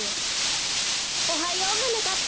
おはようはなかっぱ。